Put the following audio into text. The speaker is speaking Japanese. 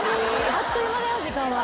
あっという間だよ時間は。